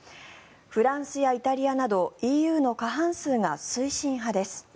フランスやイタリアなどＥＵの過半数が推進派です。